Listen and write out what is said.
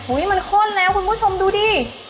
มันข้นแล้วคุณผู้ชมดูดิ